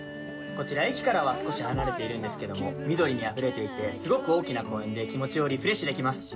こちら駅からは少し離れているんですけども緑にあふれていてすごく大きな公園で気持ちをリフレッシュできます